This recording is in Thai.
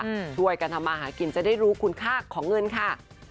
ช่วยกันทำมาหากินจะได้รู้คุณค่าของเงินค่ะ